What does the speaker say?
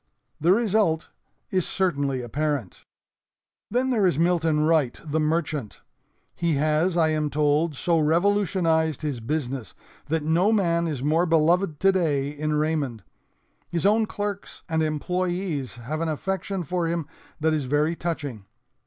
The result is certainly apparent. "Then there is Milton Wright, the merchant. He has, I am told, so revolutionized his business that no man is more beloved today in Raymond. His own clerks and employees have an affection for him that is very touching.